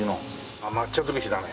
あっ抹茶づくしだね。